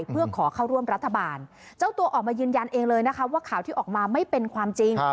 เพราะอะไร